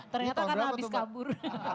ternyata kan habis kabur